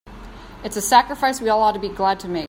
It's a sacrifice we all ought to be glad to make.